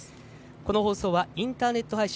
この放送はインターネット配信